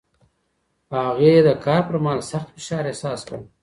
هغې د کار پر مهال سخت فشار احساس کړ.